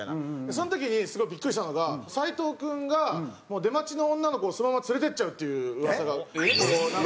その時にすごいビックリしたのが斉藤君が出待ちの女の子をそのまま連れてっちゃうっていう噂が流れてきて。